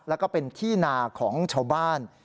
แล้วก็เป็นที่นาของชาวบ้าน